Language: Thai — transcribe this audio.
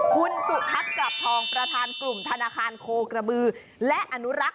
คุณสุทัศน์กลับทองประธานกลุ่มธนาคารโคกระบือและอนุรักษ์